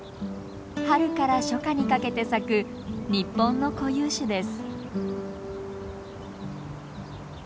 春から初夏にかけて咲く日本の固有種です。